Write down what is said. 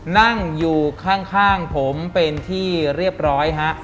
นั่งอยู่ข้างผมเป็นที่เรียบร้อยฮะ